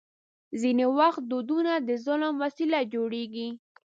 ځینې وخت دودونه د ظلم وسیله جوړېږي.